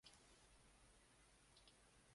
Жылкы жаныбарынын тили эле жок.